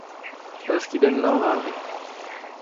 Klaskit en lavaret.